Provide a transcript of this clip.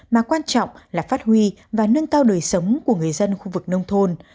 mà quan trọng là phát huy và nâng cao đời sống của người dân khu vực nông thôn